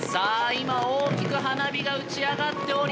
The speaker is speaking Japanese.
今大きく花火が打ち上がっております。